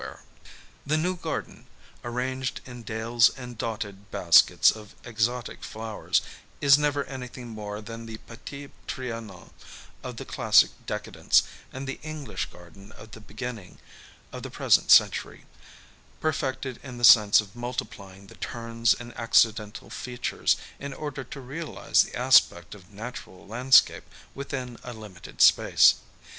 REVERIE 115 The new garden, arranged in dales and dotted baskets of exotic flowers, is never anything more than the Petit Trianon of the classic decadence and the English garden of the b^inning of the present centuiy, perfected in the sense of multiplying the turns and accidental features in order to realize the aspect of natural landscape within a limited space.